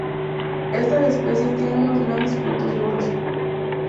Estas especies tienen unos grandes frutos duros.